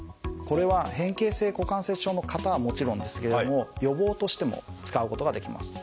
これは変形性股関節症の方はもちろんですけれども予防としても使うことができます。